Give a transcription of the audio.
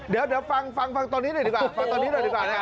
เดี๋ยวออกตอนนี้น่ะดีกว่าฟังตอนนี้ดีกว่าดูนี่